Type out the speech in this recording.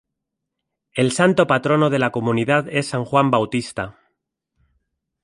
El santo patrono de la comunidad es San Juan Bautista.